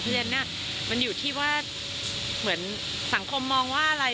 เรียนเนี่ยมันอยู่ที่ว่าเหมือนสังคมมองว่าอะไร